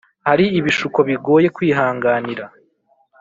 Hari ibishuko bigoye kwihanganira